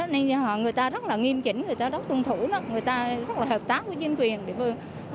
nên người ta rất là nghiêm trình người ta rất tuân thủ người ta rất là hợp tác với nhân quyền địa phương